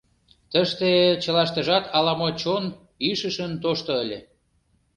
Тыште чылаштыжат ала-мо чон ишышын тошто ыле.